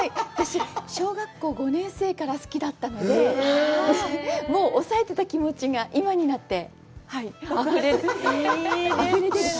小学校５年生から好きだったので、もう抑えてた気持ちが今になってあふれ出て。